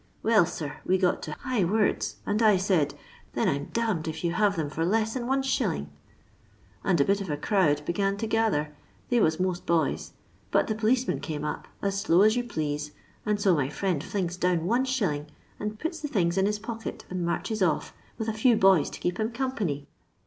Well, sir, we got to high words, and I said, ' Then I 'm d— d if you have them for less than Is.' And a bit of a crowd began to gather, they was most boys, but the p'liceman came up, as slow as you please, and so my friend flings down \s,, and puts the things in his pocket and marches off, with a few boys to keep him company.